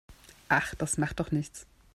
Ach, das macht doch nichts.